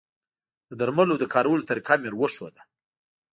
د درملو د کارولو طریقه مې وروښوده